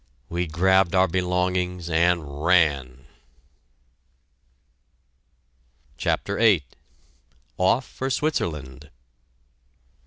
We grabbed our belongings, and ran! CHAPTER VIII OFF FOR SWITZERLAND!